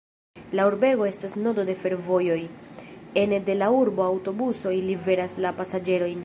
La urbego estas nodo de fervojoj, ene de la urbo aŭtobusoj liveras la pasaĝerojn.